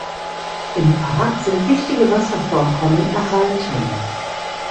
Im Park sind wichtige Wasservorkommen erhalten.